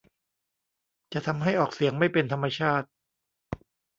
จะทำให้ออกเสียงไม่เป็นธรรมชาติ